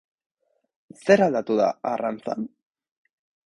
Zer aldatu da, arrantzan?